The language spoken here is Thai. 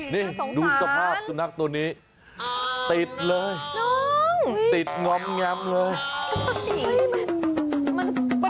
นี่ดูสภาพสุนัขตัวนี้ติดเลยติดง้ำเลยน่าสงสาร